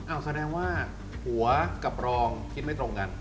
แสดงว่าหัวกับรองคิดไม่ตรงกัน